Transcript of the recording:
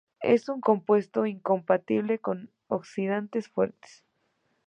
Es un compuesto incompatible con oxidantes fuertes.